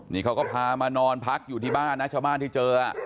นี่เขาก็พามานอนพักอยู่ที่บ้านนะชาวบ้านที่เจอ